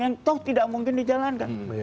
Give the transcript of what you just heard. yang toh tidak mungkin dijalankan